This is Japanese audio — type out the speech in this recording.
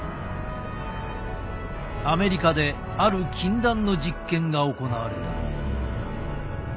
アメリカである禁断の実験が行われた。